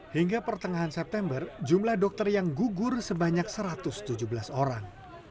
hingga pertengahan september jumlah dokter yang gugur sebanyak satu ratus tujuh belas orang